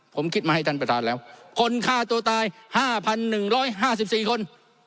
ผมคิดมาให้ท่านประธานแล้วคนฆ่าตัวตาย๕๑๕๔คน